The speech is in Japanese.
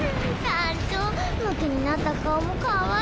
団長むきになった顔もかわいい。